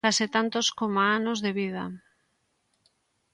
Case tantos coma anos de vida.